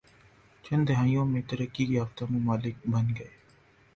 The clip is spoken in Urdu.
چند دہائیوں میں ترقی یافتہ ممالک بن گئے